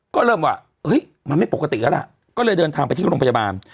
ก็เริ่มว่ามันไม่ปกติแล้วล่ะก็เลยเดินทางไปที่โรงพยาบาล